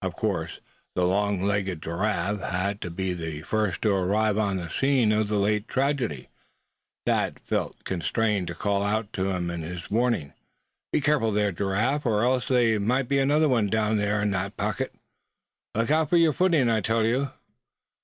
Of course the long legged Giraffe had to be the first to arrive on the scene of the late tragedy. Thad felt constrained to call out to him in warning. "Be careful there, Giraffe, or else there may be another of us down in that pocket. Look out for your footing, I tell you!"